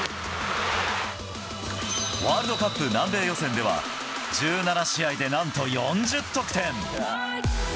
ワールドカップ南米予選では、１７試合でなんと４０得点。